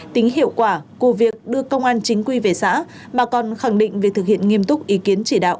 tính hiệu quả của việc đưa công an chính quy về xã mà còn khẳng định việc thực hiện nghiêm túc ý kiến chỉ đạo